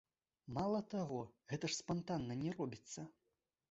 Мала таго, гэта ж спантанна не робіцца.